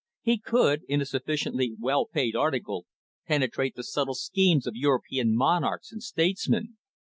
He could, in a sufficiently well paid article, penetrate the subtle schemes of European monarchs and statesmen.